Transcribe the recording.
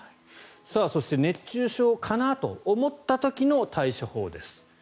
そして、熱中症かなと思った時の対処法です。